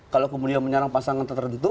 kalau kemudian menyerang pasangan tertentu